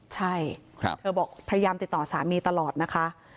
ใช่เธอบอกพยายามติดต่อสามีตลอดนะคะ